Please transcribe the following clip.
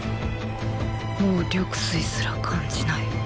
もう緑穂すら感じない。